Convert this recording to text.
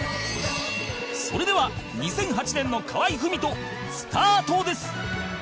それでは２００８年の河合郁人スタートです！